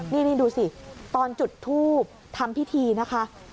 นี่ดูสิตอนจุดทูบทำพิธีนะคะ